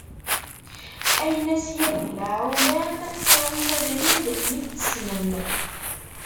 Ayen a syadi lɛulam, tawim abrid mi t-tessnem.